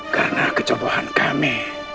karena kecebuhan kami